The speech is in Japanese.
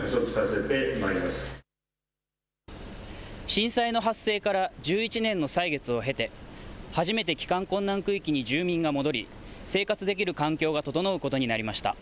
震災の発生から１１年の歳月を経て初めて帰還困難区域に住民が戻り生活できる環境が整うことになりました。